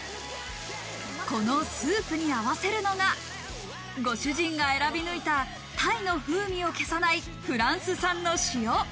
このスープに合わせるのが、ご主人が選び抜いた鯛の風味を消さないフランス産の塩。